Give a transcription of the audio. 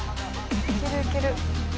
いけるいける。